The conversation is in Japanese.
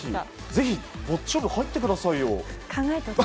ぜひ、ボッチャ部に入ってみてくださいよ。